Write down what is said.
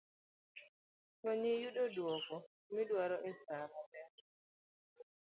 konyi yudo dwoko midwaro e sa maber